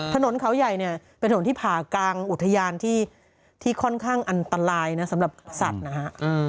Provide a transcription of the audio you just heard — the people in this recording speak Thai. ถนนเขาใหญ่เนี่ยเป็นถนนที่ผ่ากลางอุทยานที่ค่อนข้างอันตรายนะสำหรับสัตว์นะฮะ